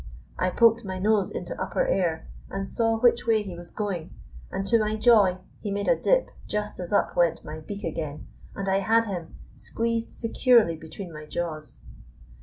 I poked my nose into upper air and saw which way he was going, and to my joy he made a dip just as up went my beak again, and I had him, squeezed securely between my jaws.